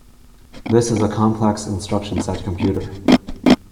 This is a complex instruction set computer.